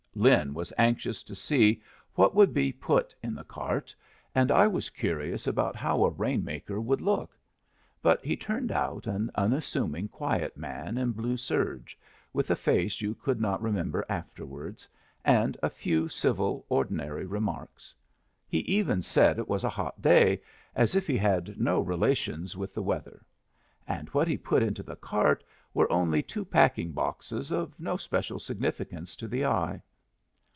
Lin was anxious to see what would be put in the cart, and I was curious about how a rain maker would look. But he turned out an unassuming, quiet man in blue serge, with a face you could not remember afterwards, and a few civil, ordinary remarks. He even said it was a hot day, as if he had no relations with the weather; and what he put into the cart were only two packing boxes of no special significance to the eye.